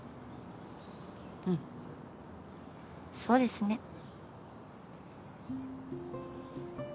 そうですね。